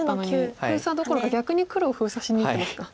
封鎖どころか逆に黒を封鎖しにいってますか。